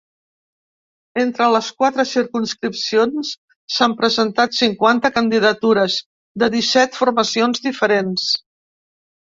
Entre les quatre circumscripcions s’han presentat cinquanta candidatures, de disset formacions diferents.